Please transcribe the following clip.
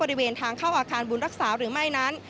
บริเวณทางเข้าอาคารบุญรักษาหรือไม่นั้น